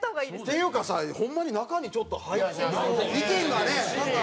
っていうかさホンマに中にちょっと入って意見がね。